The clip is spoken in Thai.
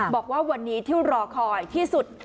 บอกว่าวันนี้ที่รอคอยที่สุด